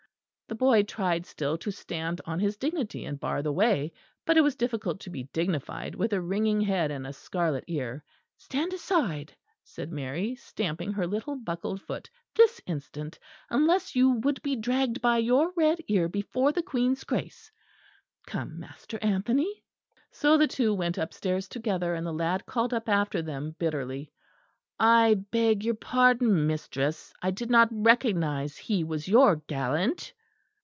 The boy tried still to stand on his dignity and bar the way, but it was difficult to be dignified with a ringing head and a scarlet ear. "Stand aside," said Mary, stamping her little buckled foot, "this instant; unless you would be dragged by your red ear before the Queen's Grace. Come, Master Anthony." So the two went upstairs together, and the lad called up after them bitterly: "I beg your pardon, Mistress; I did not recognise he was your gallant."